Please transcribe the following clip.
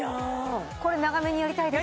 これ長めにやりたいです